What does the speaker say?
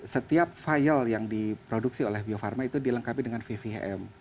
setiap file yang diproduksi oleh bio farma itu dilengkapi dengan vvm